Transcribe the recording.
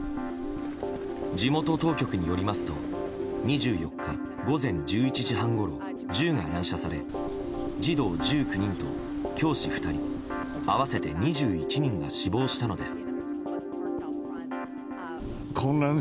地元当局によりますと２４日午前１１時半ごろ銃が乱射され児童１９人と教師２人合わせて２１人が死亡したのです。